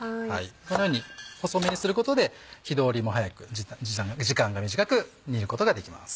このように細めにすることで火通りも早く時間が短く煮ることができます。